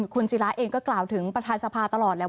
คุณศิราเองก็กล่าวถึงประธานสภาตลอดแล้ว